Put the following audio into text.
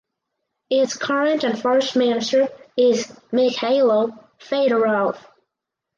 Its current and first minister is Mykhailo Fedorov.